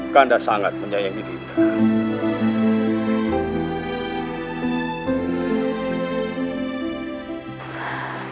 kanda sangat menyayangi dinda